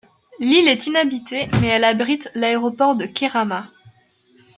L'île est inhabitée, mais elle abrite l'aéroport de Kerama.